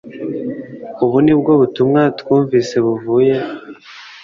ubu ni bwo butumwa twumvise buvuye